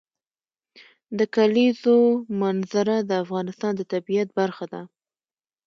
د کلیزو منظره د افغانستان د طبیعت برخه ده.